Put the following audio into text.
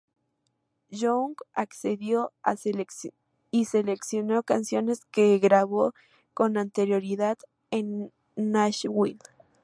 Young accedió y seleccionó canciones que grabó con anterioridad en Nashville.